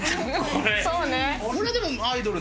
そうね。